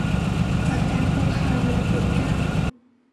จากการคุกคามและปิดกั้น